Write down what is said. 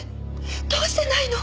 どうしてないの！？